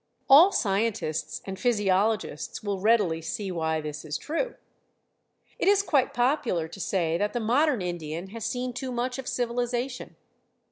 All scientists and physiologists will readily see why this is true. It is quite popular to say that the modern Indian has seen too much of civilization.